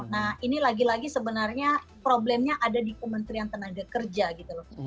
nah ini lagi lagi sebenarnya problemnya ada di kementerian tenaga kerja gitu loh